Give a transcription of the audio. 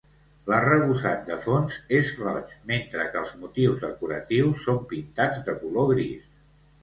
L'arrebossat de fons és roig, mentre que els motius decoratius són pintats de color gris.